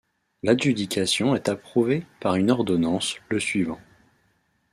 L'adjudication est approuvée par une ordonnance, le suivant.